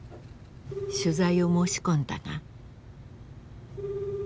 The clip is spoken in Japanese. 取材を申し込んだが。